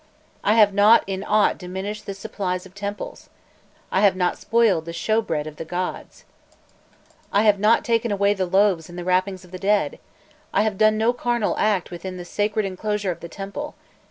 I have not in aught diminished the supplies of temples! I have not spoiled the shrewbread of the gods! I have not taken away the loaves and the wrappings of the dead! I have done no carnal act within the sacred enclosure of the temple!